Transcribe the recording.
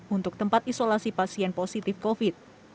untuk tempat isolasi pasien positif covid